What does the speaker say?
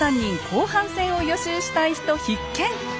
後半戦を予習したい人必見！